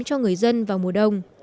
cho người dân vào mùa đông